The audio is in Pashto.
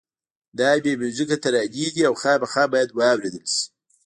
دا بې میوزیکه ترانې دي او خامخا باید واورېدل شي.